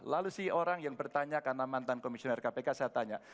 lalu si orang yang bertanya karena mantan komisioner kpk saya tanya